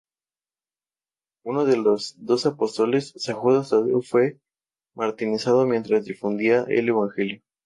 Uno de los doce apóstoles, San Judas Tadeo fue martirizado mientras difundía el evangelio.